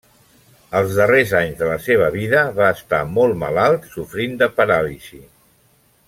Els darrers anys de la seva vida va estar molt malalt, sofrint de paràlisi.